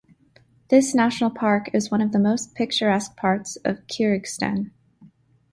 This national park is one of the most picturesque parts of Kyrgyzstan.